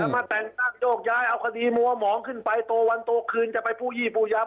มาแต่งตั้งโยกย้ายเอาคดีมัวหมองขึ้นไปโตวันโตคืนจะไปผู้ยี่ผู้ยาว